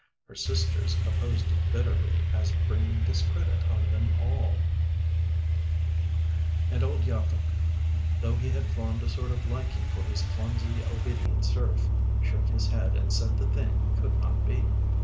Her sisters opposed it bitterly as bringing discredit on them all; and old Yacob, though he had formed a sort of liking for his clumsy, obedient serf, shook his head and said the thing could not be.